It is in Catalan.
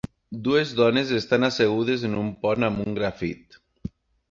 Dues dones estan assegudes en un pont amb un grafit.